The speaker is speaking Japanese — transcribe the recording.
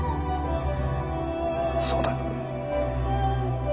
そうだ。